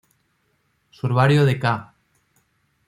Su herbario de ca.